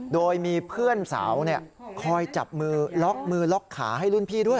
โดยมีเพื่อนสาวคอยจับมือล็อกมือล็อกขาให้รุ่นพี่ด้วย